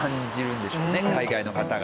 海外の方が。